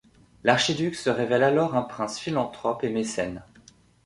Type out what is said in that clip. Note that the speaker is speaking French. L'archiduc se révèle alors un prince philanthope et mécène.